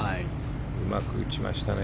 うまく打ちましたね。